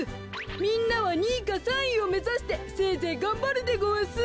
みんなは２いか３いをめざしてせいぜいがんばるでごわす。